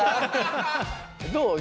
どう？